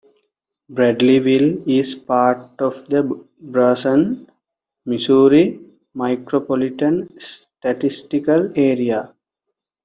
Bradleyville is part of the Branson, Missouri Micropolitan Statistical Area.